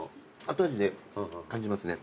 後味で感じますね。